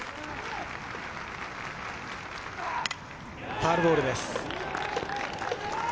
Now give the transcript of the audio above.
ファウルボールです。